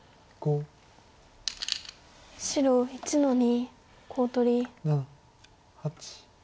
白１の二コウ取り。